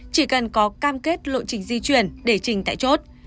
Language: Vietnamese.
chỉ cần có cam kết lộ trình di chuyển để trình tại chốt